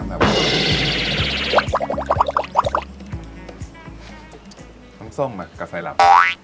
น้ำส้มกับไซรับ